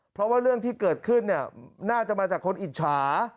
เพราะว่าเรื่องที่เกิดขึ้นน่าจะมาจากคนอิจฉา